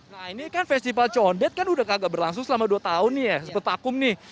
nah ini kan festival condet kan udah kagak berlangsung selama dua tahun nih ya sempat takum nih